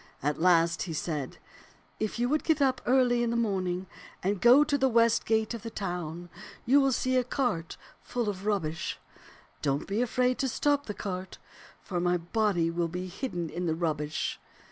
At last he said, * If you will get up early in the morning and go to the west gate of the town, you will see a cart full of rubbish. Don't be afraid to stop the cart, for my body will be hidden in the rubbish.'